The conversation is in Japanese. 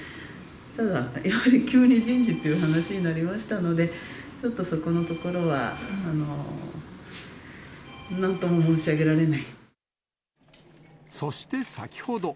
ただやはり、急に人事っていう話になりましたので、ちょっとそこのところは、そして先ほど。